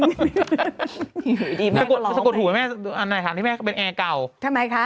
สกดถูกไหมแม่อันนี้แม่เป็นแอร์เก่าทำไมคะ